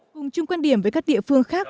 cùng chung quan điểm với các địa phương khác